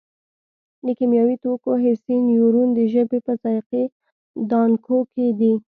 د کیمیاوي توکو حسي نیورون د ژبې په ذایقې دانکو کې دي.